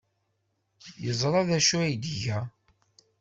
Yeẓra d acu ay tga?